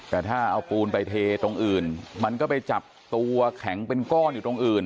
แต่ถ้าเอาปูนไปเทตรงอื่นมันก็ไปจับตัวแข็งเป็นก้อนอยู่ตรงอื่น